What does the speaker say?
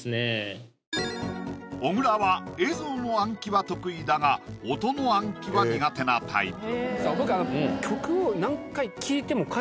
小倉は映像の暗記は得意だが音の暗記は苦手なタイプ